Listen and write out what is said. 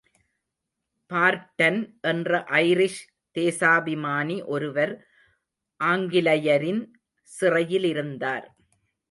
பார்ட்டன் என்ற ஐரிஷ் தேசாபிமானி ஒருவர் ஆங்கிலயரின் சிறையிலிருந்தார்.